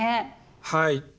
はい。